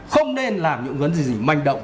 không nên làm những cái gì manh động